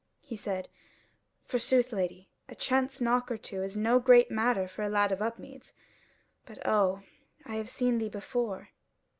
He said: "Forsooth, Lady, a chance knock or two is no great matter for a lad of Upmeads. But oh! I have seen thee before."